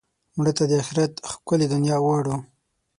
مړه ته د آخرت ښکلې دنیا غواړو